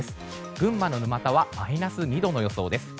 群馬の沼田はマイナス２度の予想です。